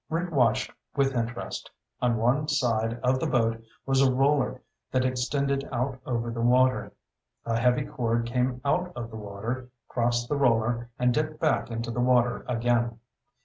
Rick watched with interest. On one side of the boat was a roller that extended out over the water. A heavy cord came out of the water, crossed the roller, and dipped back into the water again.